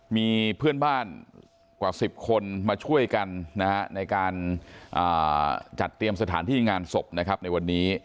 มีเพื่อนบ้านกว่า๑๐คนมาช่วยกันนะฮะในการจัดเตรียมสถานที่งานศพนะครับในวันนี้